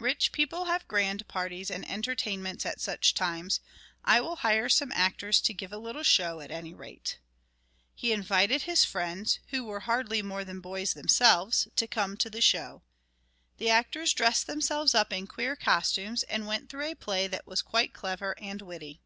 Rich people have grand parties and entertainments at such times. I will hire some actors to give a little show, at any rate." He invited his friends, who were hardly more than boys themselves, to come to the show. The actors dressed themselves up in queer costumes, and went through with a play that was quite clever and witty.